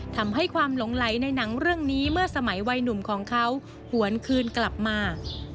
ทำให้ความหลงไหลในหนังเรื่องนี้เมื่อสมัยวัยหนุ่มของเขาหวนคืนกลับมา